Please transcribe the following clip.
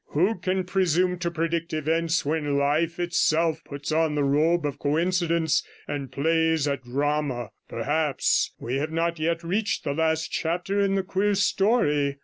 Who can presume to predict events when life itself puts on the robe of coincidence and plays at drama? Perhaps we have not yet reached the last chapter in the queer story.